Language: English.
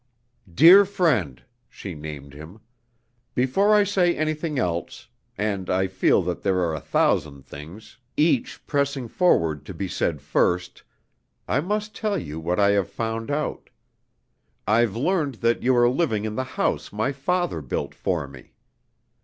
"Dear Friend," she named him. "Before I say anything else and I feel that there are a thousand things, each pressing forward to be said first I must tell you what I have found out. I've learned that you are living in the house my father built for me.